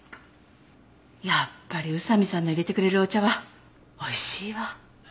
やっぱり宇佐見さんの淹れてくれるお茶はおいしいわ。